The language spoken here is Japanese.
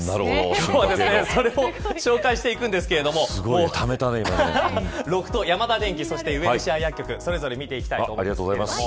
今日はそれを紹介していくんですけどロフト、ヤマダデンキとウエルシア薬局を見ていきたいと思います。